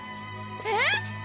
えっ⁉